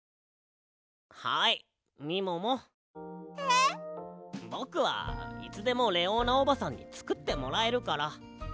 えっ？ぼくはいつでもレオーナおばさんにつくってもらえるから。